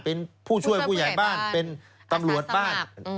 เป็นผู้ช่วยผู้ใหญ่บ้านเป็นตำรวจบ้าน